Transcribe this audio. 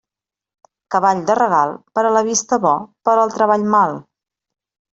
Cavall de regal, per a la vista bo, per al treball mal.